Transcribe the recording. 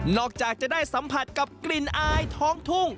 จากจะได้สัมผัสกับกลิ่นอายท้องทุ่ง